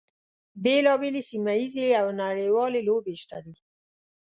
بیلا بېلې سیمه ییزې او نړیوالې لوبې شته دي.